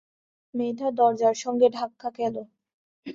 মেয়েটা দরজার সঙ্গে ধাক্কা খেল।